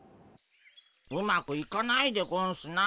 うまくいかないでゴンスな。